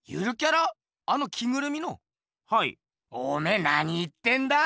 おめえなに言ってんだ？